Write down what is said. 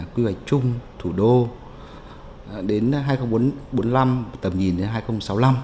quy hoạch chung thủ đô đến hai nghìn bốn mươi năm tầm nhìn đến hai nghìn sáu mươi năm